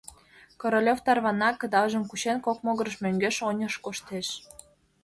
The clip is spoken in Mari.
Королёв тарвана, кыдалжым кучен, кок могырыш мӧҥгеш-оньыш коштеш.